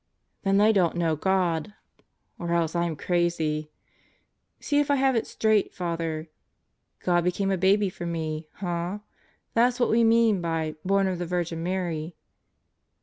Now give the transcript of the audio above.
"Then they don't know God or else I'm crazy. See if I have it straight, Father. God became a Baby for me, huh? That's what we mean by 'born of the Virgin Mary'?"